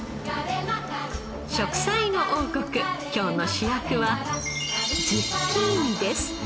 『食彩の王国』今日の主役はズッキーニです。